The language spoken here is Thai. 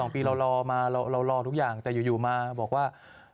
๒ปีเรารอมาเรารอทุกอย่างแต่อยู่มาบอกว่า